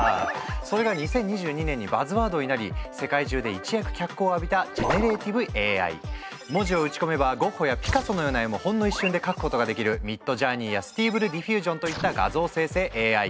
それが２０２２年にバズワードになり世界中で一躍脚光を浴びた文字を打ち込めばゴッホやピカソのような絵もほんの一瞬で描くことができるＭｉｄｊｏｕｒｎｅｙやＳｔａｂｌｅＤｉｆｆｕｓｉｏｎといった画像生成ＡＩ。